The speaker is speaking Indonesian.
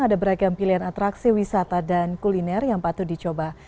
ada beragam pilihan atraksi wisata dan kuliner yang patut dicoba